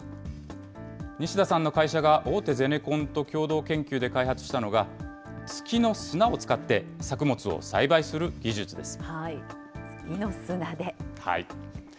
西田さんの会社が大手ゼネコンと共同研究で開発したのが、月の砂を使って、作物を栽培する技術です。